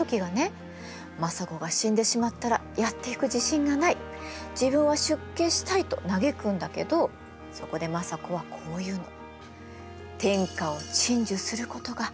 政子が死んでしまったらやっていく自信がない自分は出家したいと嘆くんだけどそこで政子はこういうの。